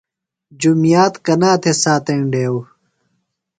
جُمیات کنا تھےۡ ساتینڈیو؟